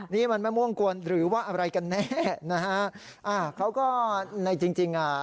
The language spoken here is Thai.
นี่มันว่าอะไรกันแน่นะฮะอ้าเขาก็นายจริงจริงอ่ะ